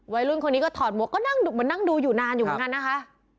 วัยรุ่นคนนี้ก็ถอดหมวก็นั่งดูอยู่นานอยู่เหมือนกันนะคะ